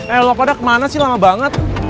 eh lolo pada kemana sih lama banget